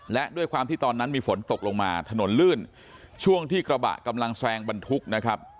และด้วยความที่ตอนนั้นมีฝนตกลงมาถนนลื่นช่วงที่กระบะกำลังแซงบรรทุกนะครับ